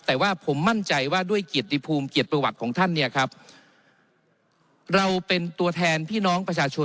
แต่ว่าผมมั่นใจว่าด้วยเกียรติภูมิเกียรติประวัติของท่านเนี่ยครับเราเป็นตัวแทนพี่น้องประชาชน